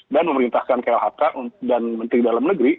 dan memerintahkan klhk dan menteri dalam negeri